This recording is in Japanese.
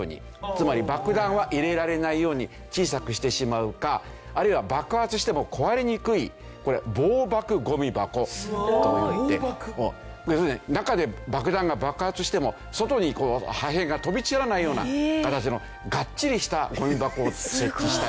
つまり爆弾は入れられないように小さくしてしまうかあるいは爆発しても壊れにくいこれは防爆ゴミ箱といって要するに中で爆弾が爆発しても外に破片が飛び散らないような形のガッチリしたゴミ箱を設置したりという。